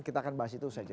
kita akan bahas itu